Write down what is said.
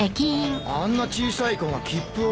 あんな小さい子が切符を？